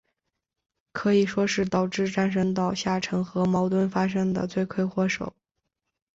可以说是导致战神岛下沉和矛盾发生的罪魁祸首。